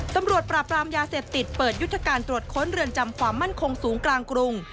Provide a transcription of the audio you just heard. ตำรวจปราบรามยาเสพติดเปิดยุทธการตรวจค้นเรือนจำความมั่นคงสูงกลางกรุง